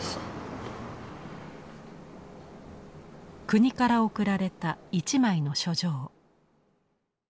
国から贈られた一枚の書状。